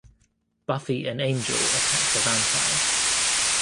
Buffy and Angel attack the vampires.